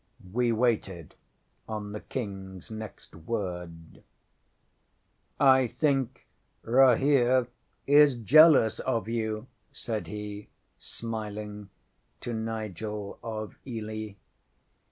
We waited on the KingŌĆÖs next word. ŌĆśŌĆ£I think Rahere is jealous of you, ŌĆØ said he, smiling, to Nigel of Ely.